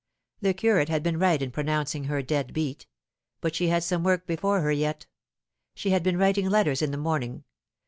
The curate had been right in pronouncing her dead beat ; but she had some work before her yet. She had been writing letters in the morn ing.